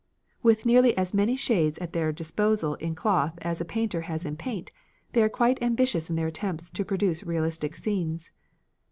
With nearly as many shades at their disposal in cloth as a painter has in paint, they are quite ambitious in their attempts to produce realistic scenes.